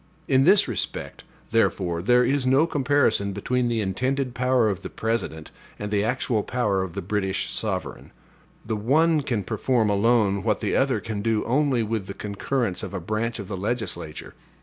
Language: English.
In this respect, therefore, there is no comparison between the intended power of the President and the actual power of the British sovereign. The one can perform alone what the other can do only with the concurrence of a branch of the legislature.